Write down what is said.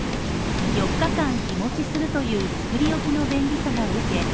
４日間日もちするという作り置きの便利さが受け